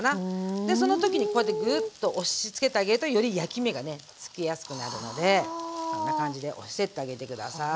でその時にこうやってグッと押しつけてあげるとより焼き目がねつけやすくなるのでこんな感じで押してってあげて下さい。